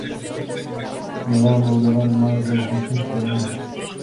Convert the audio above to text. Nová Moldava nemá železniční spojení.